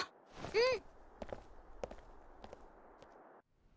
うん。